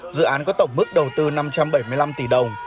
dự án có tổng mức đầu tư năm trăm bảy mươi năm tỷ đồng